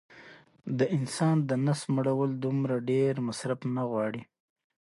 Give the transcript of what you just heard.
د انسان د نس مړول دومره ډېر مصرف نه غواړي